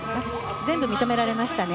全部認められましたね。